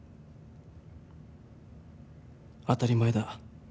当たり前だ。